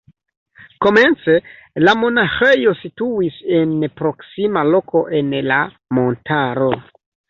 Komence la monaĥejo situis en proksima loko en la montaro.